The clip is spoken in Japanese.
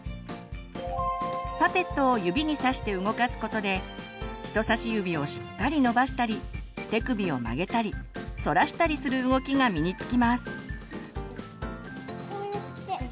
パペットを指にさして動かすことで人さし指をしっかり伸ばしたり手首を曲げたりそらしたりする動きが身に付きます。